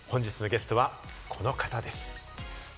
本日のゲストはこの方です。